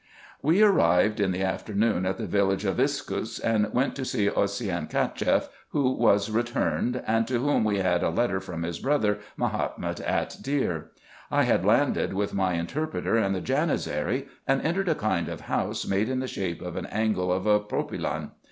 We arrived in the afternoon at the village of Iskus, and went to see Osseyn Cacheff, who was returned, and to whom we had a letter from his brother Mahomet at Deir. I had landed with my interpreter and the Janizary, and entered a kind of house made in the shape of an angle of a propylaeon.